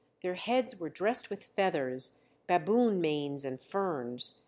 Their heads were dressed with feathers, baboon manes, and ferns.